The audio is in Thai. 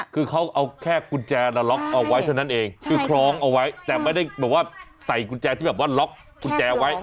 คือเขาเอาแค่กุญแจล็อกเอาไว้เท่านั้นเองคือคล้องเอาไว้แต่ไม่ได้แบบว่าใส่กุญแจที่แบบว่าล็อกกุญแจไว้